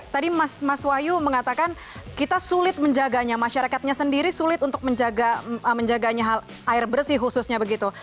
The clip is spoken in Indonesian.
tadi mas wahyu mengatakan kita sulit menjaganya masyarakatnya sendiri sulit untuk menjaganya air bersih khususnya begitu